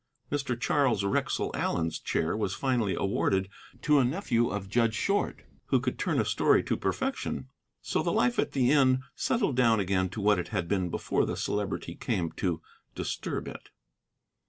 Mr. Charles Wrexell Allen's chair was finally awarded to a nephew of Judge Short, who could turn a story to perfection. So life at the inn settled down again to what it had been before the Celebrity came to disturb it.